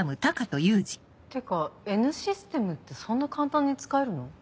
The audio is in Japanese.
てかＮシステムってそんな簡単に使えるの？